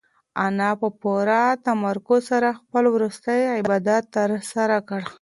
انا په پوره تمرکز سره خپل وروستی عبادت ترسره کړ.